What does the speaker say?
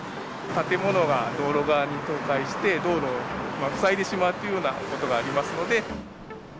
建物が道路側に倒壊して、道路を塞いでしまうというようなことがありますので。